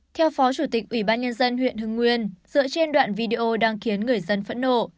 theo phó chủ tịch ủy ban nhân dân huyện hưng nguyên dựa trên đoạn video đang khiến người dân phẫn nộ